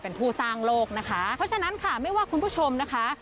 เป็นผู้สร้างโลกนะคะเพราะฉะนั้นค่ะไม่ว่าคุณผู้ชมนะคะ